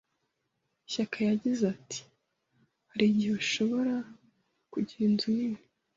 Shyaka yagize ati "Hari igihe ushobora kugira inzu nini